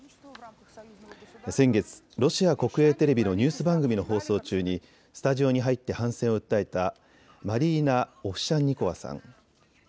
先月、ロシア国営テレビのニュース番組の放送中にスタジオに入って反戦を訴えたマリーナ・オフシャンニコワさん。